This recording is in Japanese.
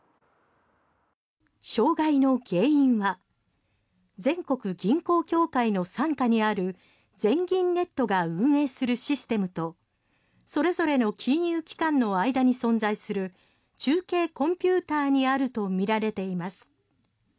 障害の原因は全国銀行協会の傘下にある全銀ネットが運営するシステムとそれぞれの金融機関の間に存在する中継コンピューターにあるとみられています。